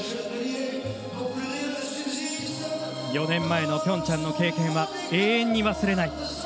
４年前のピョンチャンの経験は永遠に忘れない。